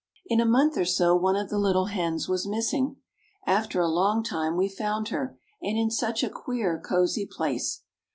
In a month or so one of the little hens was missing. After a long time we found her, and in such a queer, cozy place!